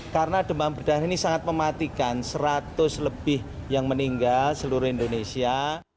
karena demam berdarah ini sangat mematikan seratus lebih yang meninggal seluruh indonesia